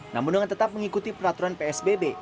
namun dengan tetap mengikuti peraturan psbb